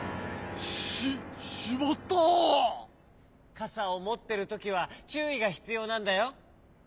かさをもってるときはちゅういがひつようなんだよ。